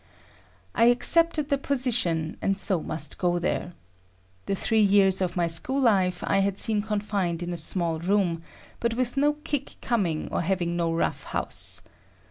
I accepted the position, and so must go there. The three years of my school life I had seen confined in a small room, but with no kick coming or having no rough house.